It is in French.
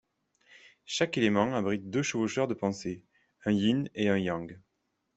Chaque élément abrite deux chevaucheurs de pensées: un Yin et un Yang.